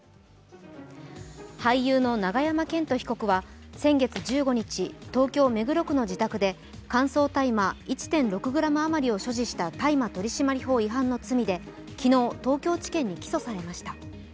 俳優の永山絢斗被告は先月１５日、東京・目黒区の自宅で乾燥大麻１．６ｇあまりを所持した大麻取締法違反の罪で昨日、東京地検に起訴されました。